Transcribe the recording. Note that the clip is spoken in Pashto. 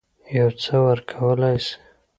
یو څه ورکولای سي.